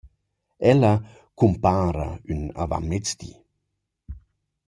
Ella cumpara ün avantmezdi.